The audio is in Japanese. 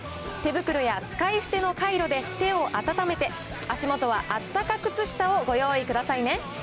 手袋や使い捨てのカイロで、手を温めて、足元はあったか靴下をご用意くださいね。